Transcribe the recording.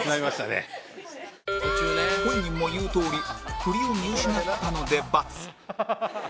本人も言うとおり振りを見失ったので×